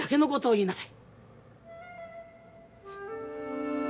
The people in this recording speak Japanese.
言いなさい。